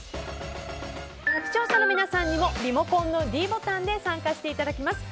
視聴者の皆さんにもリモコンのｄボタンで参加していただきます。